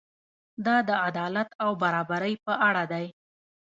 دا د عدالت او برابرۍ په اړه دی.